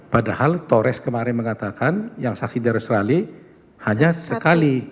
padahal torres kemarin mengatakan yang saksi dari australia hanya sekali